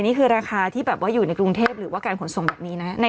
นี่คือราคาที่แบบว่าอยู่ในกรุงเทพหรือว่าการขนส่งแบบนี้นะ